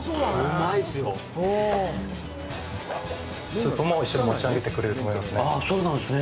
スープも一緒に持ち上げてくれると思いますね。